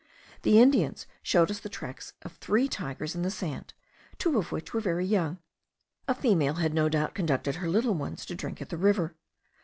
The Indians showed us the tracks of three tigers in the sand, two of which were very young. A female had no doubt conducted her little ones to drink at the river.